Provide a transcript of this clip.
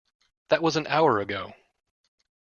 That was an hour ago!